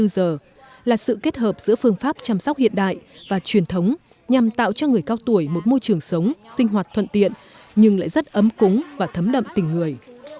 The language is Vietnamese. hai mươi bốn giờ là sự kết hợp giữa phương pháp chăm sóc hiện đại và truyền thống nhằm tạo cho người cao tuổi một môi trường sống sinh hoạt thuận tiện nhưng lại rất ấm cúng và thấm đậm tình người